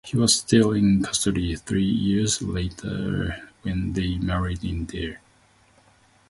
He was still in custody three years later when they married in Dare.